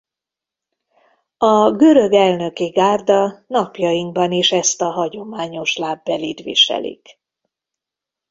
A Görög Elnöki Gárda napjainkban is ezt a hagyományos lábbelit viselik.